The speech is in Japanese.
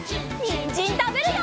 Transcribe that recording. にんじんたべるよ！